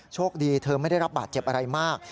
โชคดีเธอไม่ได้รับบาดเจ็บอะไรมาก